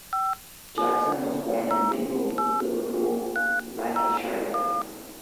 Jackson was born in Dingle, Liverpool, Lancashire.